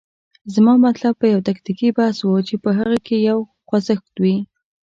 زما مطلب یو تکتیکي بحث و، چې په هغه کې یو خوځښت وي.